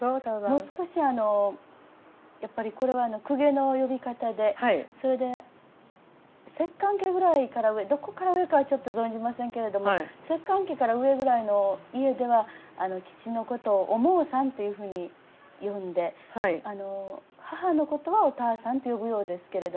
もう少しあのやっぱりこれは公家の呼び方でそれで摂関家ぐらいから上どこから上かはちょっと存じませんけれども摂関家から上ぐらいの家では父のことをおもうさんというふうに呼んで母のことはおたあさんと呼ぶようですけれども。